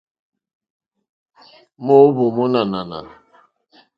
Moohvò mo nò ànànà.